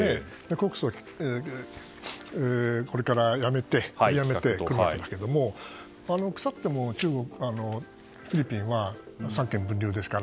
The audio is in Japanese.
告訴これから取りやめるんですが腐ってもフィリピンは三権分離ですから。